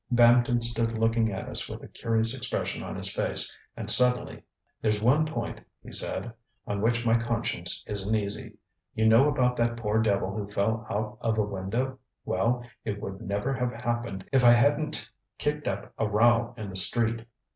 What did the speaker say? ŌĆØ Bampton stood looking at us with a curious expression on his face, and suddenly: ŌĆ£There's one point, ŌĆØ he said, ŌĆ£on which my conscience isn't easy. You know about that poor devil who fell out of a window? Well, it would never have happened if I hadn't kicked up a row in the street.